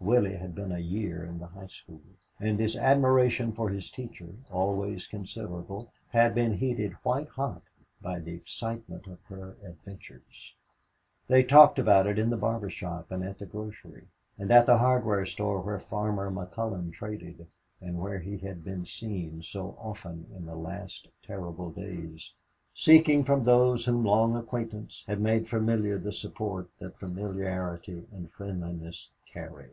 Willie had been a year in the high school, and his admiration for his teacher, always considerable, had been heated white hot by the excitement of her adventures. They talked about it in the barber shop and at the grocery and at the hardware store where Farmer McCullon traded and where he had been seen so often in the last terrible days, seeking from those whom long acquaintance had made familiar the support that familiarity and friendliness carry.